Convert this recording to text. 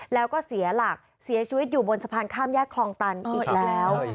แล้วก็เสียหลักเสียชีวิตอยู่บนสะพานข้ามแยกคลองตันอีกแล้ว